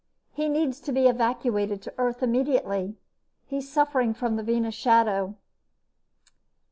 "He needs to be evacuated to Earth immediately. He's suffering from the Venus Shadow."